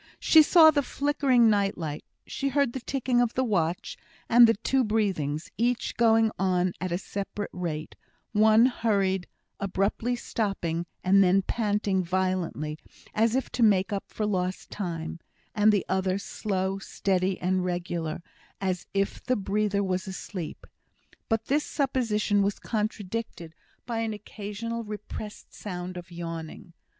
She saw the flickering night light she heard the ticking of the watch, and the two breathings, each going on at a separate rate one hurried, abruptly stopping, and then panting violently, as if to make up for lost time; and the other slow, steady, and regular, as if the breather was asleep; but this supposition was contradicted by an occasional repressed sound of yawning.